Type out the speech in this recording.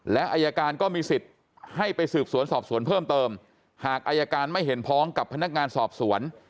และอายการก็มีสิทธิ์ให้ไปสืบสวนสอบสวนเพิ่มเติมหากอายการไม่เห็นพ้องกับพนักงานสอบสวน